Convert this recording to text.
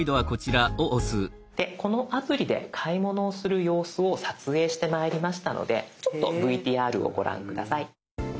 でこのアプリで買い物をする様子を撮影してまいりましたのでちょっとＶＴＲをご覧下さい。